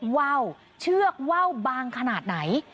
เว้าเชือกเว้าบางขนาดไหน